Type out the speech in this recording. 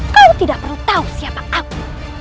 kau tidak perlu tahu siapa aku